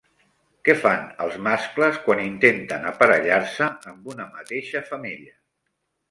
Què fan els mascles quan intenten aparellar-se amb una mateixa femella?